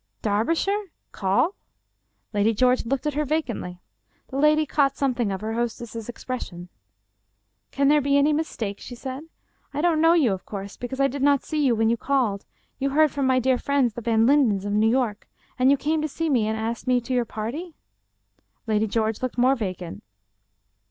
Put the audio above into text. "Darbishire!— Call!" Lady George looked at her vacantly. The lady caught something of her hostess's expression. " Can there be any mistake ?" she said. " I don't know you, of course, because I did not see you when you called. You heard from my dear friends, the Van Lindens, of New York, and you came to see me and asked me to your party?" Lady George looked more vacant.